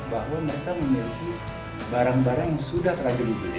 bahwa mereka memiliki banyak manfaat banyak pengetahuan banyak kesempatan untuk membuat barang yang terbaik